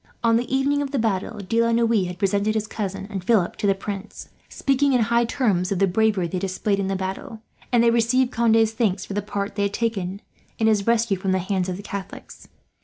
On the evening of the battle De la Noue had presented his cousin and Philip to the Prince, speaking in high terms of the bravery they displayed in the battle, and they had received Conde's thanks for the part they had taken in his rescue from the hands of the Catholics.